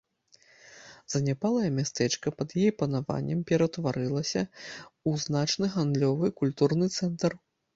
Заняпалае мястэчка пад яе панаваннем пераўтварылася ў значны гандлёвы і культурны цэнтр.